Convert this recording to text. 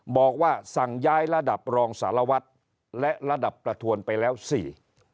บอกว่าสั่งย้ายระดับรองสารวัตรและระดับประทวนไปแล้วสี่